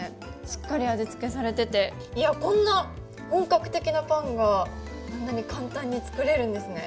しっかり味付けされてて、こんな本格的なパンがこんなに簡単に作れるんですね。